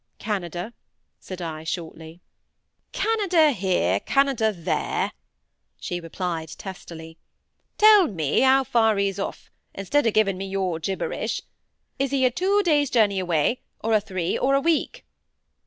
"Canada," said I, shortly. "Canada here, Canada there," she replied, testily. "Tell me how far he's off, instead of giving me your gibberish. Is he a two days' journey away? or a three? or a week?"